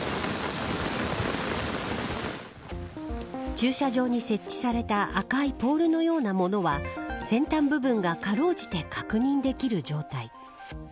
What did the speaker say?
駐車場に設置された赤いポールのようなものはセンター部分が辛うじて確認できる状態。